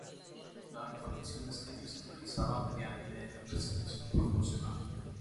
La repartición de escaños se realizaba mediante representación proporcional.